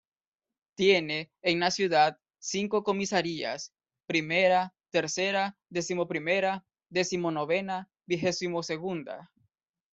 Tiene, en la ciudad, cinco comisarías: Primera, Tercera, Decimoprimera, Decimonovena, Vigesimosegunda.